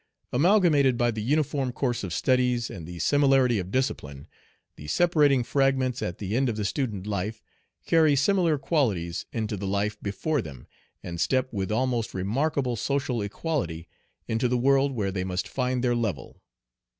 Amalgamated by the uniform course of studies and the similarity of discipline, the separating fragments at the end of the student life carry similar qualities into the life before them, and step with almost remarkable social equality into the world where they must find their level.